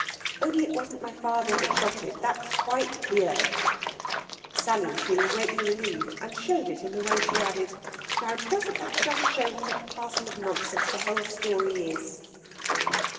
"Only it wasn't my father that shot it. That's quite clear." Sally was feeling greatly relieved, and showed it in the way she added: "Now, doesn't that just show what a parcel of nonsense the whole story is?"